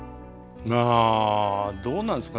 あどうなんですかね。